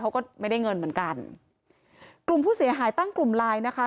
เขาก็ไม่ได้เงินเหมือนกันกลุ่มผู้เสียหายตั้งกลุ่มไลน์นะคะ